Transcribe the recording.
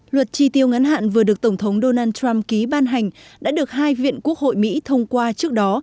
luật tri tiêu ngắn hạn vừa được tổng thống donald trump ký ban hành đã được hai viện quốc hội mỹ thông qua trước đó